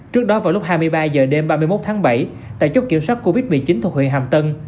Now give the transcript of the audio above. trước đó vào lúc hai mươi ba h đêm ba mươi một tháng bảy tại chốt kiểm soát covid một mươi chín thuộc huyện hàm tân